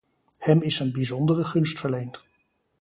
Hem is een bijzondere gunst verleend.